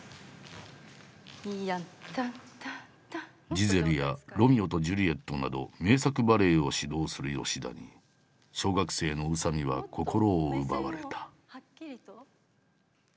「ジゼル」や「ロミオとジュリエット」など名作バレエを指導する吉田に小学生の宇佐見は心を奪われた。